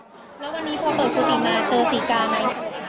แล้ววันนี้พอเปิดฝุ่นปีมาเจอสีกาไหม